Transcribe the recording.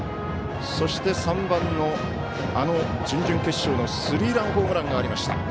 そして、３番の準々決勝のスリーランホームランがありました